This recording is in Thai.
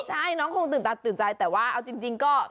ใช่น้องคงตื่นตาตื่นใจแต่ว่าเอาจริงก็